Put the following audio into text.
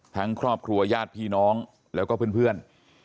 ทั้งครอบครัวยาศพี่น้องแล้วก็เพื่อน